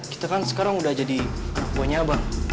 kita kan sekarang udah jadi anak buahnya bang